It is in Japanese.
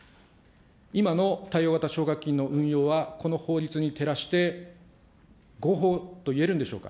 今の貸与型奨学金の運用は、この法律に照らして、合法といえるんでしょうか。